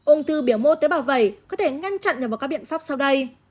ung thư biểu mô tế bào vẩy có thể ngăn chặn nhằm vào các biện pháp sau đây